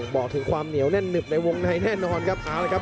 บอกถึงความเหนียวเนียนผบในวงในแน่นอนครับ